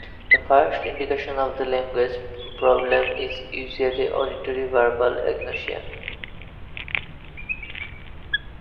The first indication of the language problem is usually auditory verbal agnosia.